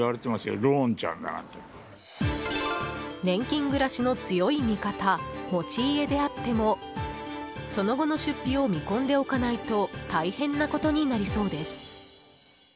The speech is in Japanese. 年金暮らしの強い味方持ち家であってもその後の出費を見込んでおかないと大変なことになりそうです。